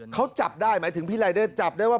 เขาจับได้หมายถึงพี่รายเดอร์จับได้ว่า